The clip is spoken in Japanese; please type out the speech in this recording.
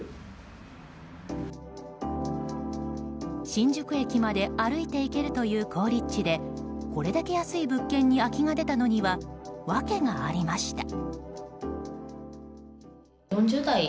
新宿駅まで歩いて行けるという好立地でこれだけ安い物件に空きが出たのには訳がありました。